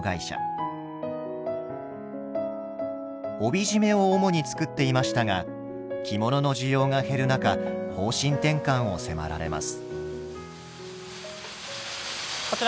帯締めを主に作っていましたが着物の需要が減る中方針転換を迫られます。